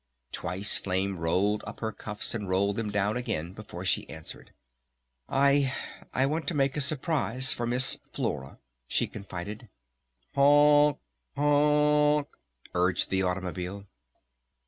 Twice Flame rolled up her cuffs and rolled them down again before she answered. "I I want to make a Surprise for Miss Flora," she confided. "Honk honk!" urged the automobile.